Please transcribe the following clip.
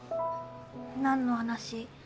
何の話？